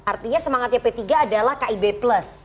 artinya semangatnya p tiga adalah kib plus